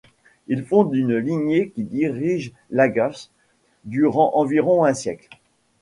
Il fonde une lignée qui dirige Lagash durant environ un siècle.